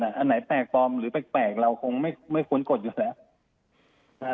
อันไหนแปลกปลอมหรือแปลกเราคงไม่ควรกดอยู่แล้ว